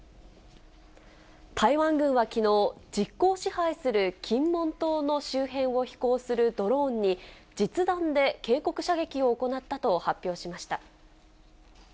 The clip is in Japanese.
台湾軍はきのう、実効支配する金門島の周辺を飛行するドローンに、実弾で警告射撃を行ったと発表しました。